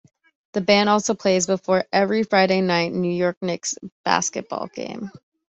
The band also plays before every Friday-night New York Knicks basketball game.